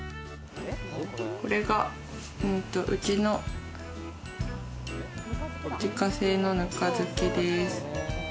これが、うちの自家製のぬか漬けです。